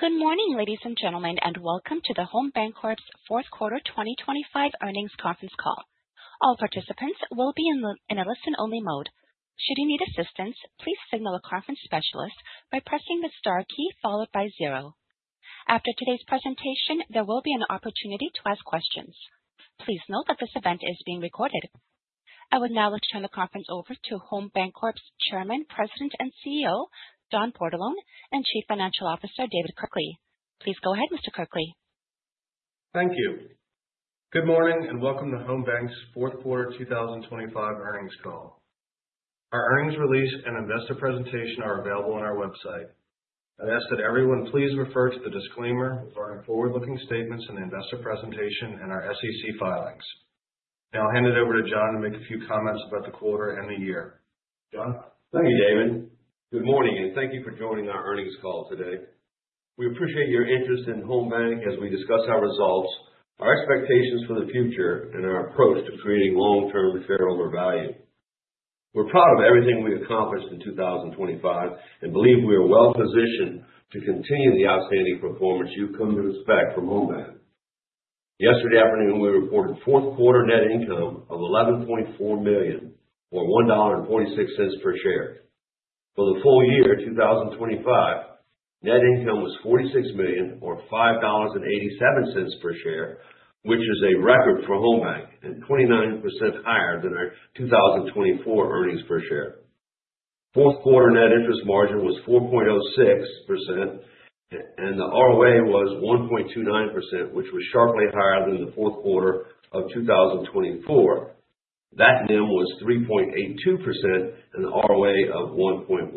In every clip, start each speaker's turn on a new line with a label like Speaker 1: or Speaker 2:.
Speaker 1: Good morning, ladies and gentlemen, and welcome to Home Bancorp's fourth quarter 2025 earnings conference call. All participants will be in a listen-only mode. Should you need assistance, please signal a conference specialist by pressing the star key followed by zero. After today's presentation, there will be an opportunity to ask questions. Please note that this event is being recorded. I would now like to turn the conference over to Home Bancorp's Chairman, President, and CEO, John Bordelon, and Chief Financial Officer, David Kirkley. Please go ahead, Mr. Kirkley.
Speaker 2: Thank you. Good morning, and welcome to Home Banc's fourth quarter 2025 earnings call. Our earnings release and investor presentation are available on our website. I ask that everyone please refer to the disclaimer regarding forward-looking statements in the investor presentation and our SEC filings. Now I'll hand it over to John to make a few comments about the quarter and the year. John?
Speaker 3: Thank you, David. Good morning, and thank you for joining our earnings call today. We appreciate your interest in Home Banc as we discuss our results, our expectations for the future, and our approach to creating long-term shareholder value. We're proud of everything we've accomplished in 2025 and believe we are well-positioned to continue the outstanding performance you've come to expect from Home Banc. Yesterday afternoon, we reported fourth quarter net income of $11.4 million, or $1.46 per share. For the full year, 2025, net income was $46 million, or $5.87 per share, which is a record for Home Banc and 29% higher than our 2024 earnings per share. Fourth quarter net interest margin was 4.06%, and the ROA was 1.29%, which was sharply higher than the fourth quarter of 2024. That NIM was 3.82% and an ROA of 1.12.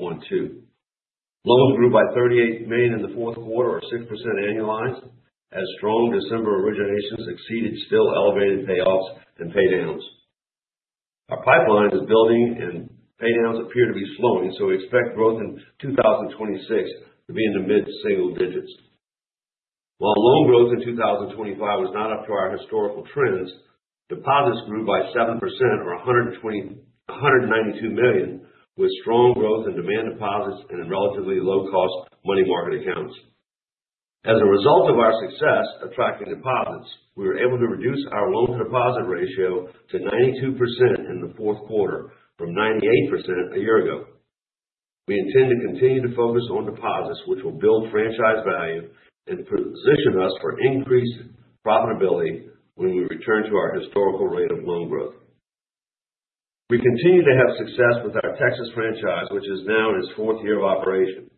Speaker 3: Loans grew by $38 million in the fourth quarter, or 6% annualized, as strong December originations exceeded still elevated payoffs and paydowns. Our pipeline is building and paydowns appear to be slowing, so we expect growth in 2026 to be in the mid-single digits. While loan growth in 2025 was not up to our historical trends, deposits grew by 7%, or $192 million, with strong growth in demand deposits and in relatively low-cost money market accounts. As a result of our success attracting deposits, we were able to reduce our loan-to-deposit ratio to 92% in the fourth quarter from 98% a year ago. We intend to continue to focus on deposits, which will build franchise value and position us for increased profitability when we return to our historical rate of loan growth. We continue to have success with our Texas franchise, which is now in its fourth year of operation.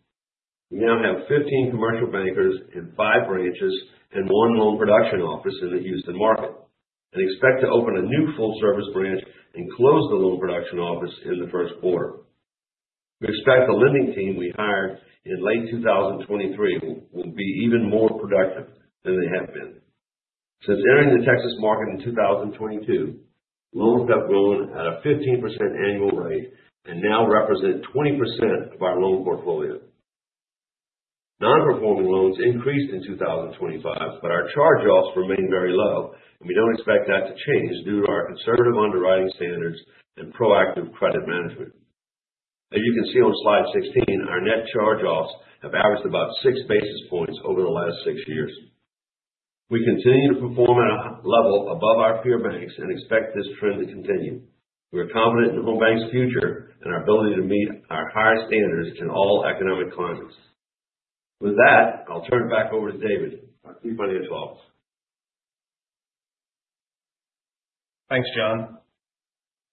Speaker 3: We now have 15 commercial bankers and five branches and one loan production office in the Houston market, and expect to open a new full-service branch and close the loan production office in the first quarter. We expect the lending team we hired in late 2023 will be even more productive than they have been. Since entering the Texas market in 2022, loans have grown at a 15% annual rate and now represent 20% of our loan portfolio. Non-performing loans increased in 2025, but our charge-offs remain very low, and we don't expect that to change due to our conservative underwriting standards and proactive credit management. As you can see on slide 16, our net charge-offs have averaged about 6 basis points over the last six years. We continue to perform at a level above our peer banks and expect this trend to continue. We are confident in Home Banc's future and our ability to meet our high standards in all economic climates. With that, I'll turn it back over to David, our Chief Financial Officer.
Speaker 2: Thanks, John.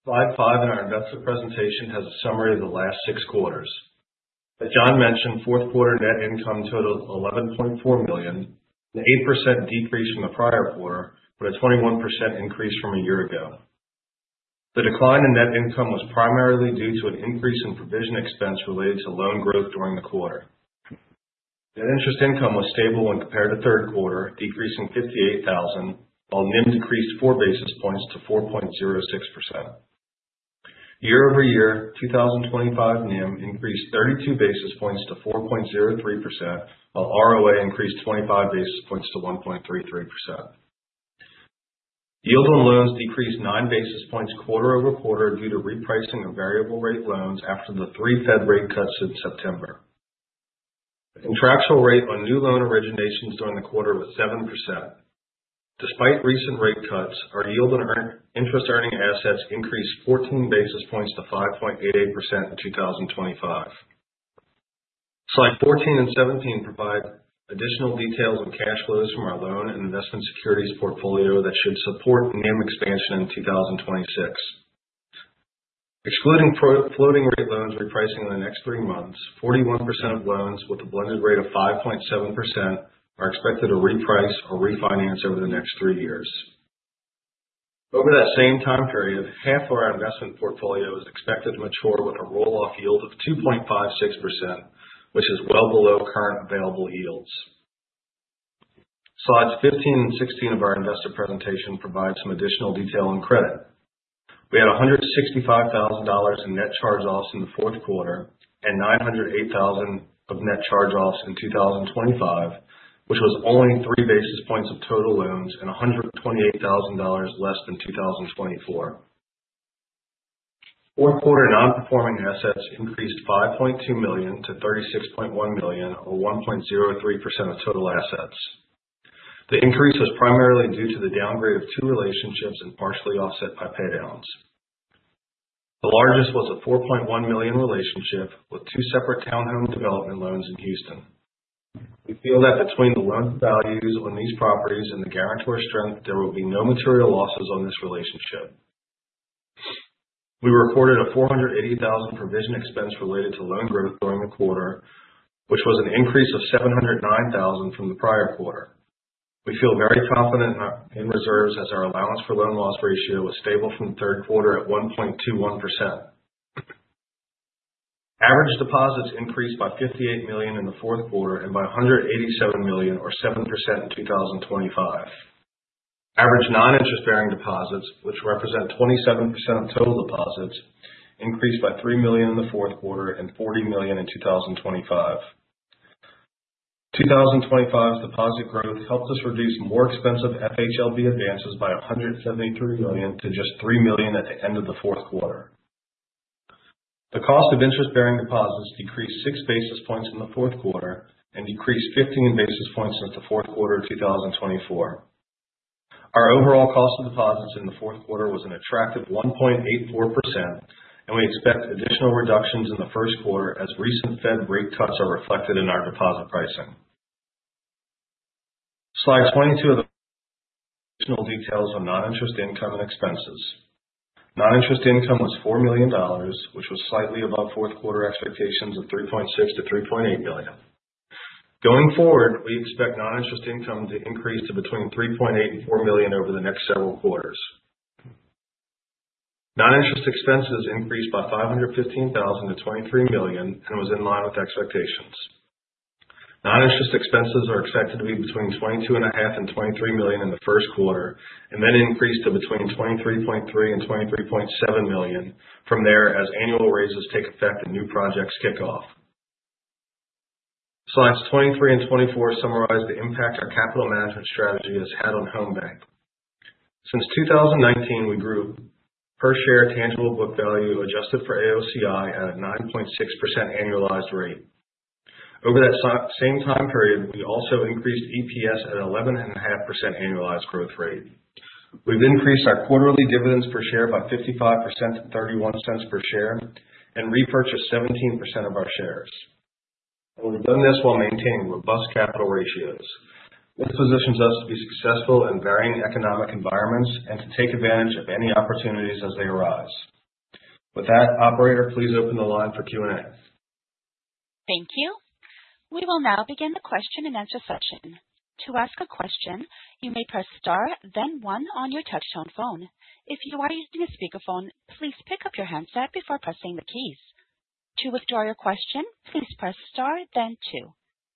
Speaker 2: Slide five in our investor presentation has a summary of the last six quarters. As John mentioned, fourth quarter net income totaled $11.4 million, an 8% decrease from the prior quarter, but a 21% increase from a year ago. The decline in net income was primarily due to an increase in provision expense related to loan growth during the quarter. Net interest income was stable when compared to third quarter, decreasing $58,000, while NIM decreased 4 basis points to 4.06%. Year-over-year, 2025 NIM increased 32 basis points to 4.03%, while ROA increased 25 basis points to 1.33%. Yield on loans decreased 9 basis points quarter-over-quarter due to repricing of variable rate loans after the three Fed rate cuts in September. The contractual rate on new loan originations during the quarter was 7%. Despite recent rate cuts, our yield on interest earning assets increased 14 basis points to 5.88% in 2025. Slide 14 and 17 provide additional details on cash flows from our loan and investment securities portfolio that should support NIM expansion in 2026. Excluding primarily floating rate loans repricing in the next three months, 41% of loans with a blended rate of 5.7% are expected to reprice or refinance over the next three years. Over that same time period, half of our investment portfolio is expected to mature with a roll-off yield of 2.56%, which is well below current available yields. Slides 15 and 16 of our investor presentation provide some additional detail on credit. We had $165,000 in net charge-offs in the fourth quarter and $908,000 of net charge-offs in 2025, which was only three basis points of total loans and $128,000 less than 2024. Fourth quarter non-performing assets increased $5.2 million to $36.1 million, or 1.03% of total assets. The increase was primarily due to the downgrade of two relationships and partially offset by paydowns. The largest was a $4.1 million relationship with two separate townhome development loans in Houston. We feel that between the loan values on these properties and the guarantor strength, there will be no material losses on this relationship. We reported a $480,000 provision expense related to loan growth during the quarter, which was an increase of $709,000 from the prior quarter. We feel very confident in our reserves as our allowance for loan loss ratio was stable from the third quarter at 1.21%. Average deposits increased by $58 million in the fourth quarter, and by $187 million or 7% in 2025. Average non-interest bearing deposits, which represent 27% of total deposits, increased by $3 million in the fourth quarter and $40 million in 2025. 2025's deposit growth helped us reduce more expensive FHLB advances by $173 million to just $3 million at the end of the fourth quarter. The cost of interest-bearing deposits decreased 6 basis points in the fourth quarter and decreased 15 basis points since the fourth quarter of 2024. Our overall cost of deposits in the fourth quarter was an attractive 1.84%, and we expect additional reductions in the first quarter as recent Fed rate cuts are reflected in our deposit pricing. Slide 22 of the additional details on noninterest income and expenses. Noninterest income was $4 million, which was slightly above fourth quarter expectations of $3.6 million-$3.8 million. Going forward, we expect noninterest income to increase to between $3.8 million and $4 million over the next several quarters. Noninterest expenses increased by $515,000 to $23 million and was in line with expectations. Noninterest expenses are expected to be between $22.5 million and $23 million in the first quarter, and then increase to between $23.3 million and $23.7 million from there, as annual raises take effect and new projects kick off. Slides 23 and 24 summarize the impact our capital management strategy has had on Home Banc. Since 2019, we grew per share tangible book value adjusted for AOCI at a 9.6% annualized rate. Over that same time period, we also increased EPS at 11.5% annualized growth rate. We've increased our quarterly dividends per share by 55% to $0.31 per share, and repurchased 17% of our shares. We've done this while maintaining robust capital ratios. This positions us to be successful in varying economic environments and to take advantage of any opportunities as they arise. With that, operator, please open the line for Q&A.
Speaker 1: Thank you. We will now begin the question-and-answer session. To ask a question, you may press star then one on your touchtone phone. If you are using a speakerphone, please pick up your handset before pressing the keys. To withdraw your question, please press star then two.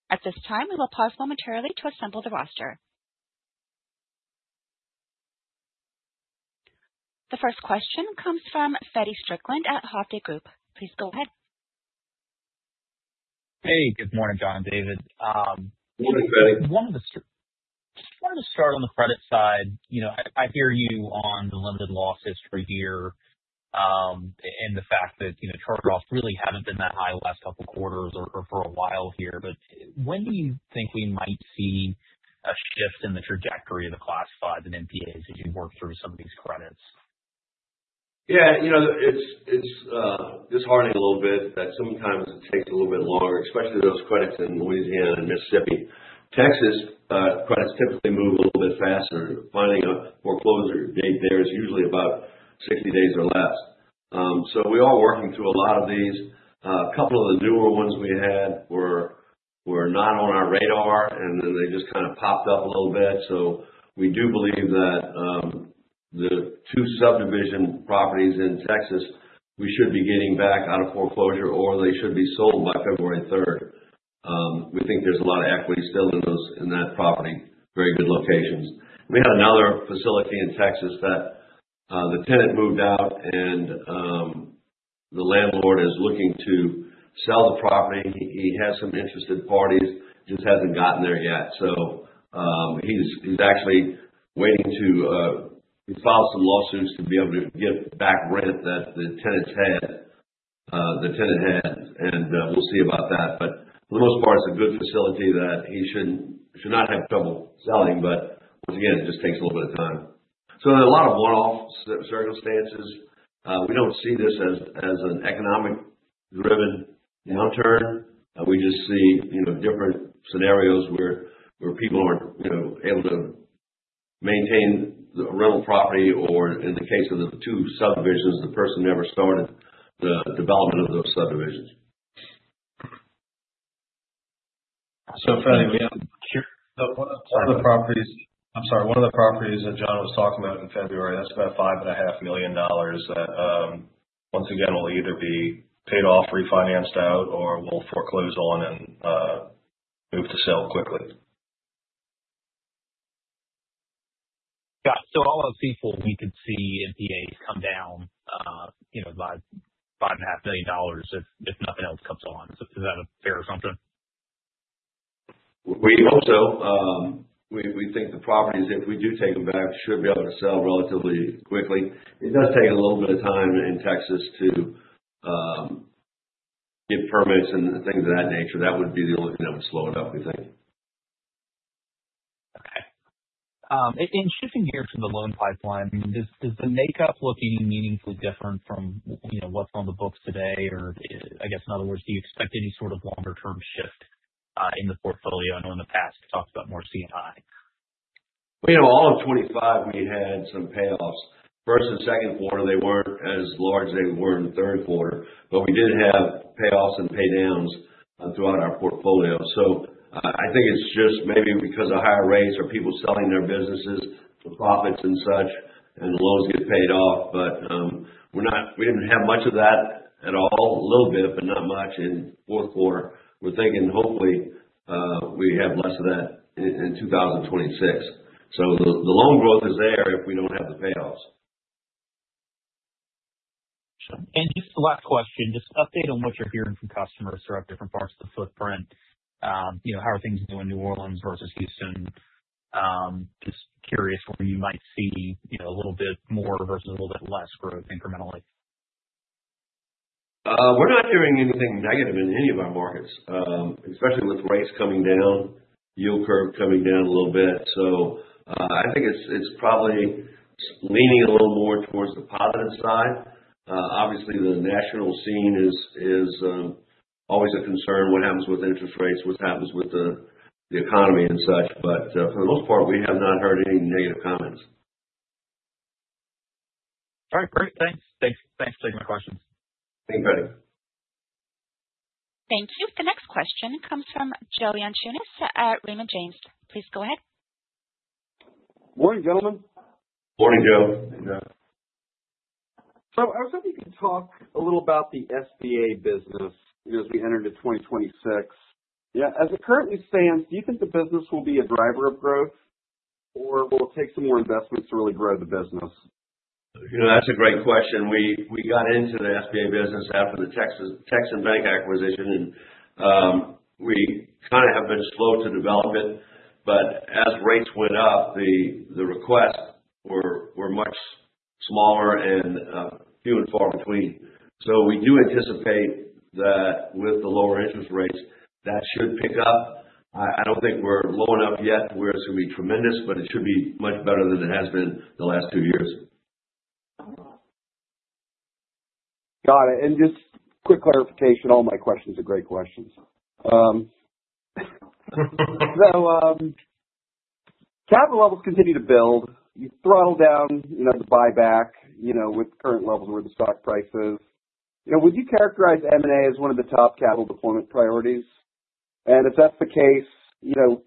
Speaker 1: At this time, we will pause momentarily to assemble the roster. The first question comes from Feddie Strickland at Hovde Group. Please go ahead.
Speaker 4: Hey, good morning, John and David.
Speaker 2: Good morning, Feddie.
Speaker 4: One of the analysts wanted to start on the credit side. You know, I hear you on the limited loss history here, and the fact that, you know, charge-offs really haven't been that high the last couple quarters or for a while here. But when do you think we might see a shift in the trajectory of the Class 5 and NPAs as you work through some of these credits?
Speaker 3: Yeah, you know, it's disheartening a little bit that sometimes it takes a little bit longer, especially those credits in Louisiana and Mississippi. Texas credits typically move a little bit faster. Finding a foreclosure date there is usually about 60 days or less. So we are working through a lot of these. A couple of the newer ones we had were not on our radar, and then they just kind of popped up a little bit. So we do believe that the two subdivision properties in Texas, we should be getting back out of foreclosure or they should be sold by February third. We think there's a lot of equity still in those, in that property, very good locations. We had another facility in Texas that the tenant moved out and the landlord is looking to sell the property. He has some interested parties, just hasn't gotten there yet. So, he's actually waiting to, he filed some lawsuits to be able to get back rent that the tenants had, the tenant had, and, we'll see about that. But for the most part, it's a good facility that he should not have trouble selling, but once again, it just takes a little bit of time. So there are a lot of one-off circumstances. We don't see this as an economic-driven downturn. We just see, you know, different scenarios where people aren't, you know, able to maintain the rental property, or in the case of the two subdivisions, the person never started the development of those subdivisions. So, Feddie, we have-
Speaker 2: Sorry. One of the properties that John was talking about in February, that's about $5.5 million, that, once again, will either be paid off, refinanced out, or we'll foreclose on and move to sell quickly.
Speaker 4: Got it. So all else being equal, we could see NPAs come down, you know, by $5.5 million if, if nothing else comes along. So is that a fair assumption?...
Speaker 3: We hope so. We think the properties, if we do take them back, should be able to sell relatively quickly. It does take a little bit of time in Texas to get permits and things of that nature. That would be the only thing that would slow it up, we think.
Speaker 4: Okay. And shifting gears to the loan pipeline, is the makeup looking meaningfully different from, you know, what's on the books today? Or, I guess, in other words, do you expect any sort of longer term shift in the portfolio? I know in the past, you talked about more C&I.
Speaker 3: Well, you know, all of 2025 we had some payoffs. First and second quarter, they weren't as large as they were in the third quarter, but we did have payoffs and pay downs throughout our portfolio. So, I think it's just maybe because of higher rates or people selling their businesses for profits and such, and the loans get paid off. But, we didn't have much of that at all, a little bit, but not much in fourth quarter. We're thinking hopefully, we have less of that in 2026. So the loan growth is there if we don't have the payoffs.
Speaker 4: Just the last question, just update on what you're hearing from customers throughout different parts of the footprint. You know, how are things doing New Orleans versus Houston? Just curious where you might see, you know, a little bit more versus a little bit less growth incrementally.
Speaker 3: We're not hearing anything negative in any of our markets, especially with rates coming down, yield curve coming down a little bit. So, I think it's probably leaning a little more towards the positive side. Obviously the national scene is always a concern. What happens with interest rates, what happens with the economy and such, but for the most part, we have not heard any negative comments.
Speaker 4: All right, great. Thanks. Thanks. Thanks for taking my questions.
Speaker 3: Thanks, Feddie.
Speaker 1: Thank you. The next question comes from Joe Yanchunis at Raymond James. Please go ahead.
Speaker 5: Morning, gentlemen.
Speaker 3: Morning, Joe.
Speaker 2: Morning, Joe.
Speaker 5: So I was hoping you could talk a little about the SBA business as we enter into 2026. Yeah, as it currently stands, do you think the business will be a driver of growth, or will it take some more investments to really grow the business?
Speaker 3: You know, that's a great question. We got into the SBA business after the Texan Bank acquisition, and we kind of have been slow to develop it. But as rates went up, the requests were much smaller and few and far between. So we do anticipate that with the lower interest rates, that should pick up. I don't think we're low enough yet where it's going to be tremendous, but it should be much better than it has been the last two years.
Speaker 5: Got it. And just quick clarification, all my questions are great questions. So, capital levels continue to build. You throttle down, you know, the buyback, you know, with current levels where the stock price is. You know, would you characterize M&A as one of the top capital deployment priorities? And if that's the case, you know,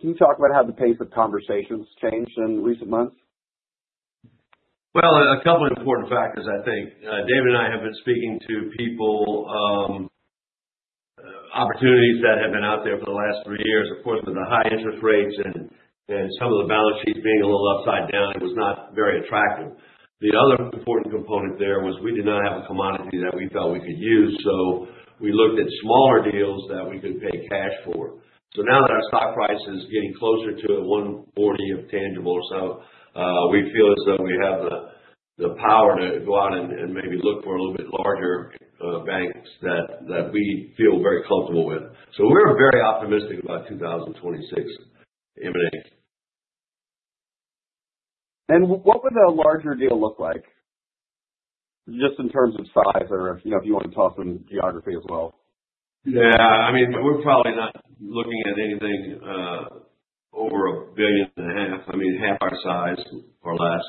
Speaker 5: can you talk about how the pace of conversations changed in recent months?
Speaker 3: Well, a couple of important factors, I think. David and I have been speaking to people, opportunities that have been out there for the last three years. Of course, with the high interest rates and, and some of the balance sheets being a little upside down, it was not very attractive. The other important component there was we did not have a commodity that we felt we could use, so we looked at smaller deals that we could pay cash for. So now that our stock price is getting closer to a 1.40 of tangible or so, we feel as though we have the, the power to go out and, and maybe look for a little bit larger, banks that, that we feel very comfortable with. So we're very optimistic about 2026 M&A.
Speaker 5: What would a larger deal look like? Just in terms of size or, you know, if you want to talk from geography as well.
Speaker 3: Yeah, I mean, we're probably not looking at anything over $1.5 billion. I mean, half our size or less.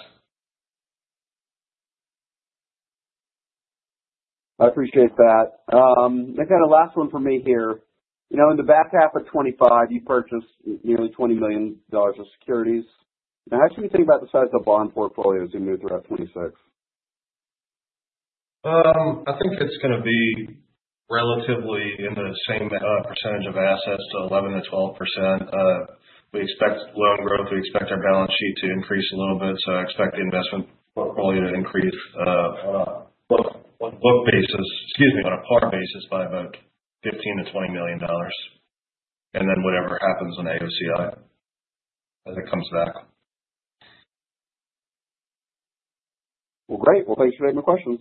Speaker 5: I appreciate that. I got a last one from me here. You know, in the back half of 2025, you purchased nearly $20 million of securities. Now, how should we think about the size of the bond portfolio as you move throughout 2026?
Speaker 2: I think it's going to be relatively in the same percentage of assets, so 11%-12%. We expect loan growth. We expect our balance sheet to increase a little bit, so I expect the investment portfolio to increase, on a book, on book basis, excuse me, on a par basis, by about $15 million-$20 million. And then whatever happens in AOCI, as it comes back.
Speaker 5: Well, great. Well, thanks for taking my questions.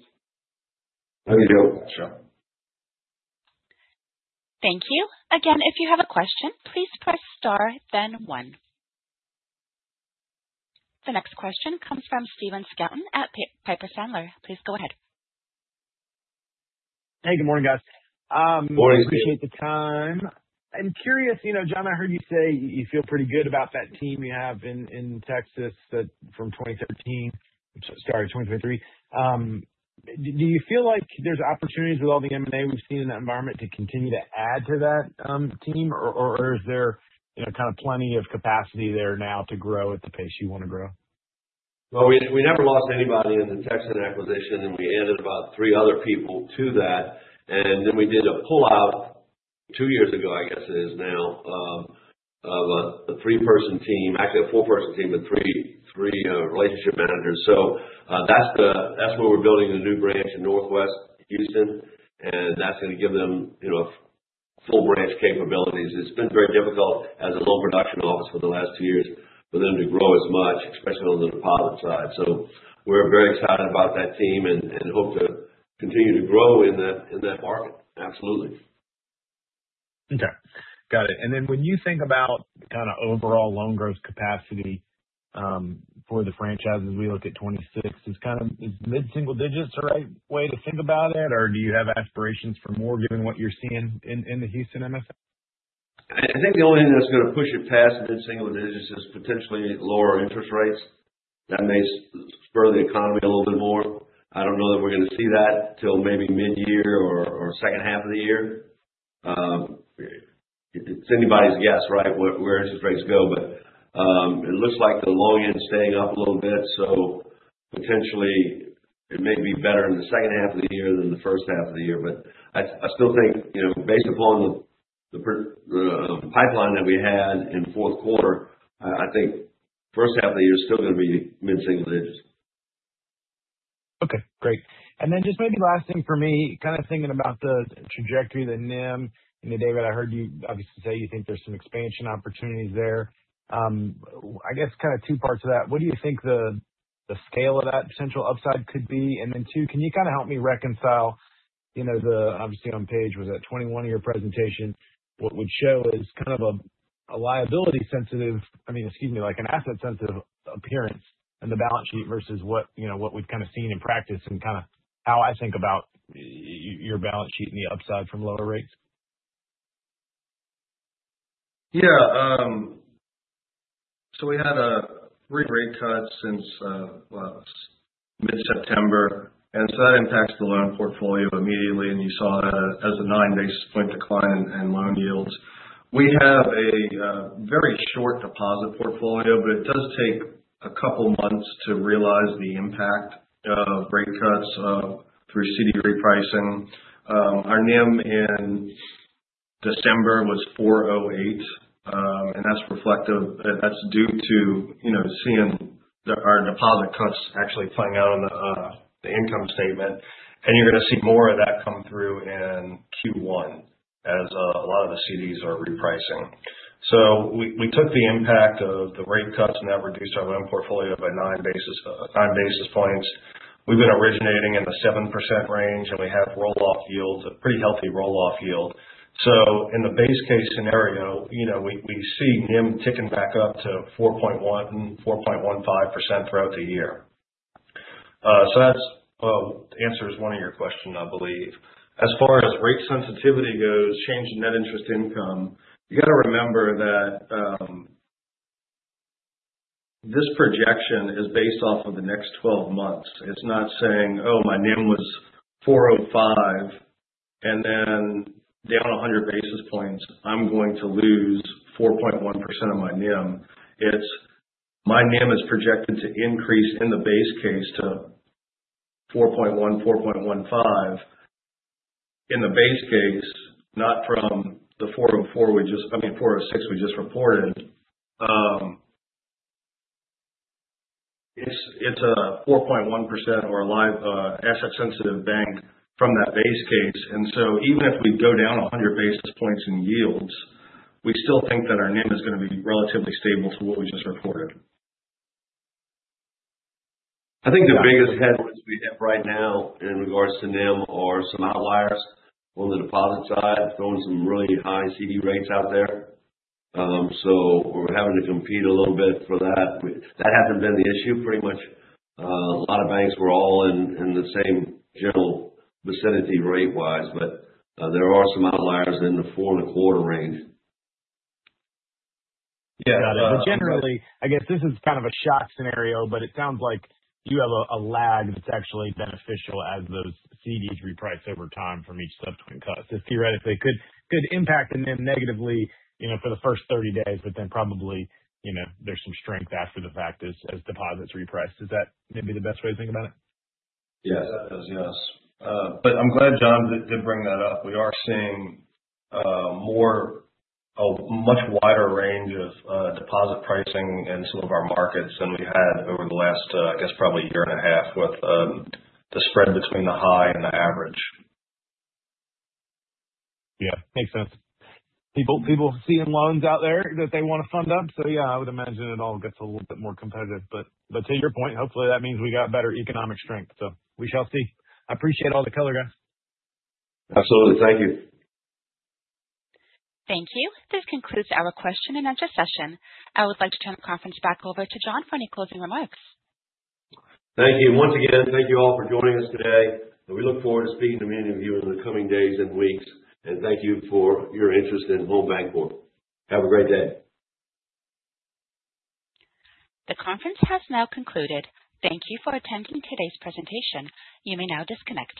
Speaker 3: Thank you, Joe.
Speaker 2: Sure.
Speaker 1: Thank you. Again, if you have a question, please press star then one. The next question comes from Stephen Scouten at Piper Sandler. Please go ahead.
Speaker 6: Hey, good morning, guys.
Speaker 3: Morning, Stephen.
Speaker 6: I appreciate the time. I'm curious, you know, John, I heard you say you feel pretty good about that team you have in Texas, that from 2013... sorry, 2023. Do you feel like there's opportunities with all the M&A we've seen in that environment to continue to add to that team? Or, you know, kind of plenty of capacity there now to grow at the pace you want to grow?
Speaker 3: Well, we, we never lost anybody in the Texan acquisition, and we added about three other people to that. And then we did a pullout two years ago, I guess it is now, of a three-person team, actually a four-person team with three relationship managers. So, that's the, that's where we're building the new branch in Northwest Houston... and that's going to give them, you know, full branch capabilities. It's been very difficult as a loan production office for the last two years for them to grow as much, especially on the deposit side. So we're very excited about that team and hope to continue to grow in that market. Absolutely.
Speaker 6: Okay, got it. And then when you think about the kind of overall loan growth capacity, for the franchises, we look at 2026, is kind of mid-single digits the right way to think about it? Or do you have aspirations for more given what you're seeing in the Houston MSA?
Speaker 3: I think the only thing that's going to push it past mid-single digits is potentially lower interest rates. That may spur the economy a little bit more. I don't know that we're going to see that till maybe mid-year or second half of the year. It's anybody's guess, right, where interest rates go. But it looks like the low end's staying up a little bit, so potentially it may be better in the second half of the year than the first half of the year. But I still think, you know, based upon the pipeline that we had in the fourth quarter, I think first half of the year is still going to be mid-single digits.
Speaker 6: Okay, great. And then just maybe last thing for me, kind of thinking about the trajectory of the NIM, and then, David, I heard you obviously say you think there's some expansion opportunities there. I guess kind of two parts to that: What do you think the scale of that potential upside could be? And then, two, can you kind of help me reconcile, you know, the... obviously, on page 21 of your presentation, what would show as kind of a liability sensitive, I mean, excuse me, like an asset sensitive appearance in the balance sheet versus what, you know, what we've kind of seen in practice, and kind of how I think about your balance sheet and the upside from lower rates?
Speaker 2: Yeah. So we had 3 rate cuts since, well, mid-September, and so that impacts the loan portfolio immediately, and you saw that as a 9 basis point decline in loan yields. We have a very short deposit portfolio, but it does take a couple months to realize the impact of rate cuts through CD repricing. Our NIM in December was 4.08, and that's reflective, that's due to, you know, seeing our deposit cuts actually playing out on the income statement, and you're going to see more of that come through in Q1 as a lot of the CDs are repricing. So we took the impact of the rate cuts, and that reduced our loan portfolio by 9 basis points. We've been originating in the 7% range, and we have roll-off yields, a pretty healthy roll-off yield. So in the base case scenario, you know, we see NIM ticking back up to 4.1%-4.15% throughout the year. So that's, answers one of your question, I believe. As far as rate sensitivity goes, change in net interest income, you got to remember that, this projection is based off of the next 12 months. It's not saying, "Oh, my NIM was 4.05%, and then down 100 basis points, I'm going to lose 4.1% of my NIM." It's, my NIM is projected to increase in the base case to 4.1%-4.15%, in the base case, not from the 4.04% we just... I mean, 4.06% we just reported. It's a 4.1% overall asset-sensitive bank from that base case. And so even if we go down 100 basis points in yields, we still think that our NIM is going to be relatively stable to what we just reported.
Speaker 3: I think the biggest headwinds we have right now in regards to NIM are some outliers on the deposit side, throwing some really high CD rates out there. So we're having to compete a little bit for that. But that hasn't been the issue, pretty much, a lot of banks were all in, in the same general vicinity rate-wise, but, there are some outliers in the 4.25% range.
Speaker 6: Got it. But generally, I guess this is kind of a shock scenario, but it sounds like you have a lag that's actually beneficial as those CDs reprice over time from each step point cut. So theoretically, it could impact the NIM negatively, you know, for the first 30 days, but then probably, you know, there's some strength after the fact as deposits reprice. Is that maybe the best way to think about it?
Speaker 2: Yes, that does, yes. But I'm glad, John, that did bring that up. We are seeing more a much wider range of deposit pricing in some of our markets than we had over the last I guess, probably year and a half with the spread between the high and the average.
Speaker 6: Yeah, makes sense. People, people seeing loans out there that they want to fund them, so yeah, I would imagine it all gets a little bit more competitive. But, but to your point, hopefully, that means we got better economic strength, so we shall see. I appreciate all the color, guys.
Speaker 3: Absolutely. Thank you.
Speaker 1: Thank you. This concludes our question-and-answer session. I would like to turn the conference back over to John for any closing remarks.
Speaker 3: Thank you. Once again, thank you all for joining us today, and we look forward to speaking to many of you in the coming days and weeks. Thank you for your interest in Home Bancorp. Have a great day.
Speaker 1: The conference has now concluded. Thank you for attending today's presentation. You may now disconnect.